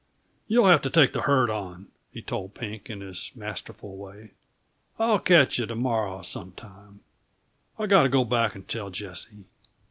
"You'll have to take the herd on," he told Pink in his masterful way. "I'll catch you to morrow some time. I've got to go back and tell Jessie.